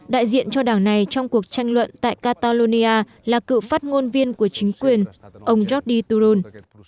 đại diện cho đảng này trong cuộc tranh luận tại catalonia là cựu phát ngôn viên của chính quyền ông jordy turon